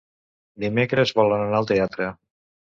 Dimecres volen anar al teatre.